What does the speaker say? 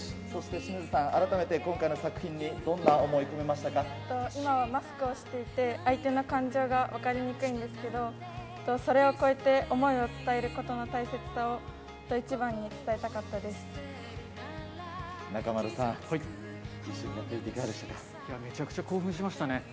そして清水さん、改めて今回の作品に、今はマスクをしていて、相手の感情が分かりにくいんですけど、それを超えて思いを伝えることの大切さを、一番に伝えたかったで中丸さん、一緒にやってみてめちゃくちゃ興奮しましたね。